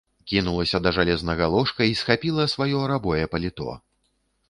Кінулася да жалезнага ложка і схапіла сваё рабое паліто.